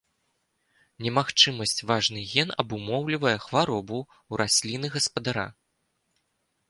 Немагчымасць важны ген абумоўлівае хваробу ў расліны-гаспадара.